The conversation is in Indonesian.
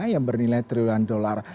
yang bernilai triliun dolar